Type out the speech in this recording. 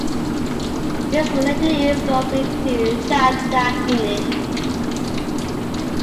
This would later evolve into Shaldag Unit.